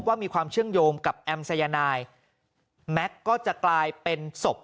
ว่ามีความเชื่อมโยงกับแอมสัยนายแม็กซ์ก็จะกลายเป็นศพ